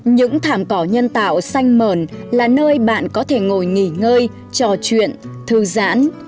những thảm cỏ nhân tạo xanh mờn là nơi bạn có thể ngồi nghỉ ngơi trò chuyện thư giãn